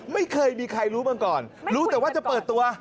ไม่เคยมีใครรู้มาก่อนรู้แต่ว่าจะเปิดตัว